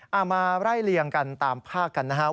มาไล่เลี่ยงกันตามภาคกันนะครับ